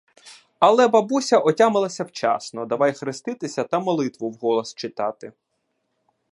Але бабуся отямилася вчасно, давай хреститися та молитву вголос читати.